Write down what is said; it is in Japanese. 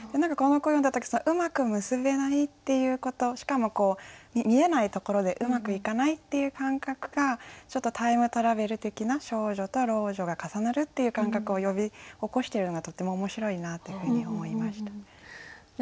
この句を読んだ時うまく結べないっていうことしかも見えないところでうまくいかないっていう感覚がちょっとタイムトラベル的な少女と老女が重なるっていう感覚を呼び起こしてるのがとても面白いなっていうふうに思いました。